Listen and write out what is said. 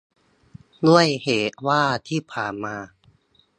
ด้วยเหตุว่าที่ผ่านมา